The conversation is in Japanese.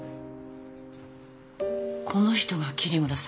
この人が桐村さん？